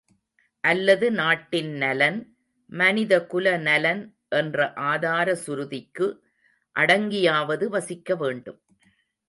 அல்லது நாட்டின் நலன், மனிதகுல நலன் என்ற ஆதார சுருதிக்கு அடங்கியாவது வாசிக்கவேண்டும்.